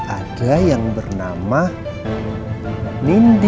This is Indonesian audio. ada yang bernama nindi